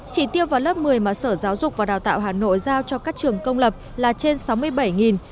chỉ tiêu vào lớp một mươi mà sở giáo dục và đào tạo hà nội giao cho các trường công lập là trên sáu mươi bảy